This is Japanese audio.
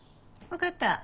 分かった。